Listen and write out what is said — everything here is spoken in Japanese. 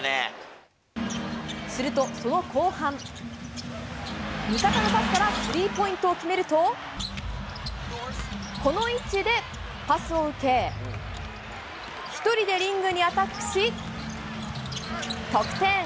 すると、その後半。味方のパスからスリーポイントを決めると、この位置でパスを受け、１人でリングにアタックし、得点。